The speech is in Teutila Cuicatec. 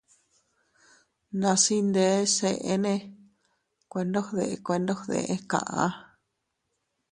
Nas iyndes eʼenne, kuendogde kuendogde kaʼa.